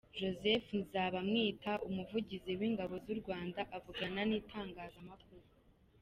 Joseph Nzabamwita, umuvugizi w’Ingabo z’u Rwanda avugana n’itangazmakuru.